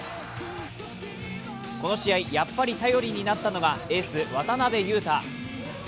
この試合、やっぱり頼りになったのがエース・渡邊雄太。